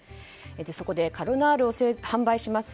そこで、カロナールを販売します